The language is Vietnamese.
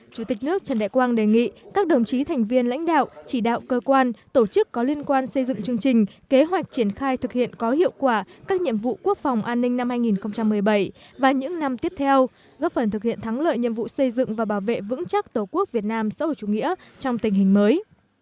chủ tịch nước trần đại quang đề nghị các đồng chí thành viên lãnh đạo chỉ đạo cơ quan tổ chức có liên quan xây dựng chương trình kế hoạch triển khai thực hiện có hiệu quả các nhiệm vụ quốc phòng an ninh năm hai nghìn một mươi bảy và những năm tiếp theo góp phần thực hiện thắng lợi nhiệm vụ xây dựng và bảo vệ vững chắc tổ quốc việt nam sau chủ nghĩa trong tình hình mới